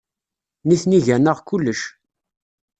Nitni gan-aneɣ kullec.